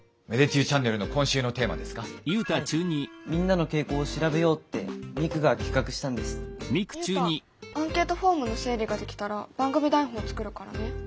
ユウタアンケートフォームの整理ができたら番組台本作るからね。